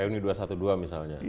reuni dua ratus dua belas misalnya